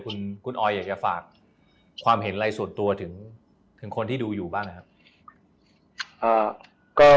คุณออยอยากจะฝากความเห็นอะไรส่วนตัวถึงคนที่ดูอยู่บ้างนะครับ